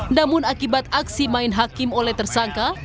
namun akibat aksi main hakim oleh tersangka